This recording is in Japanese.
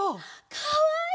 かわいい。